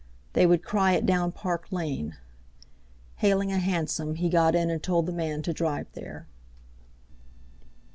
They would cry it down Park Lane. Hailing a hansom, he got in and told the man to drive there.